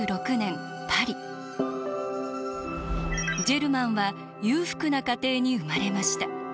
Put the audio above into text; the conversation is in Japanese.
ジェルマンは裕福な家庭に生まれました。